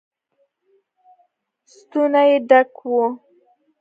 ستونی يې ډک و.